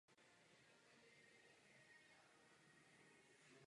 Prosím, můžete to zkontrolovat?